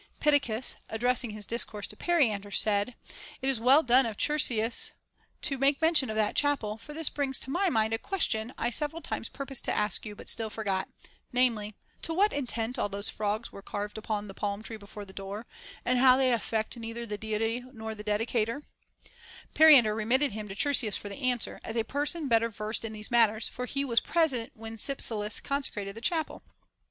Pittacus, addressing his dis course to Periander, said : It is well done of Chersias to make mention of that chapel, for this brings to my mind a question I several times purposed to ask you but still forgot, namely, — To what intent all those frogs were carved upon the palm tree before the door, and how they affect either the Deity or the dedicator \ Periander remitted him to Chersias for answer, as a person better versed in these matters, for he was present when Cypselus consecrated the chapel.